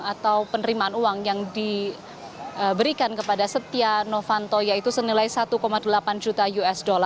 atau penerimaan uang yang diberikan kepada setia novanto yaitu senilai satu delapan juta usd